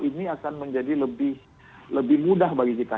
ini akan menjadi lebih mudah bagi kita